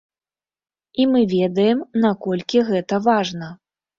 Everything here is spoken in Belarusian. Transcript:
І мы ведаем, наколькі гэта важна.